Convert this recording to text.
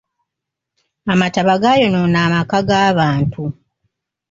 Amataba gaayonoona amaka g'abantu.